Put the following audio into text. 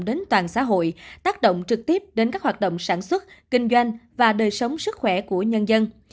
đến toàn xã hội tác động trực tiếp đến các hoạt động sản xuất kinh doanh và đời sống sức khỏe của nhân dân